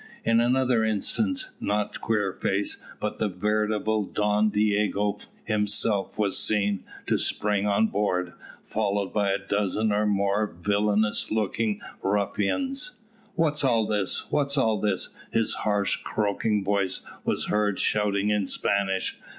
In another instant, not Queerface, but the veritable Don Diogo himself was seen to spring on board, followed by a dozen or more villainous looking ruffians. "What's all this? what's all this?" his harsh croaking voice was heard shouting in Spanish.